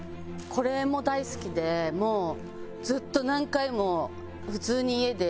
これも大好きでもうずっと何回も普通に家で見てきたやつで。